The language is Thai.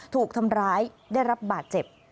ถูกทำร้ายได้รับบาดเจ็บ